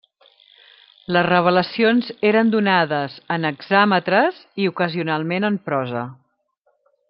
Les revelacions eren donades en hexàmetres i ocasionalment en prosa.